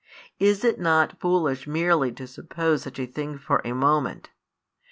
Is it not foolish merely to suppose such a thing for |107 a moment?